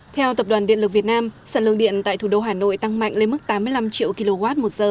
theo tập đoàn điện lực việt nam sản lượng điện tại thủ đô hà nội tăng mạnh lên mức tám mươi năm triệu kwh